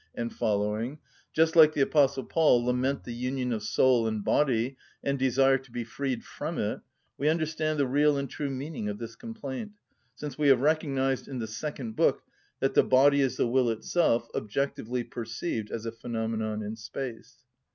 _), just like the Apostle Paul, lament the union of soul and body, and desire to be freed from it, we understand the real and true meaning of this complaint, since we have recognised, in the second book, that the body is the will itself, objectively perceived as a phenomenon in space.